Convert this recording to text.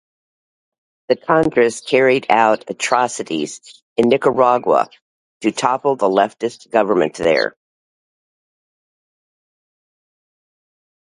The Contras carried out atrocities in Nicaragua to topple the leftist government there.